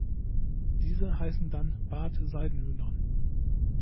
Diese heißen dann Bart-Seidenhühner.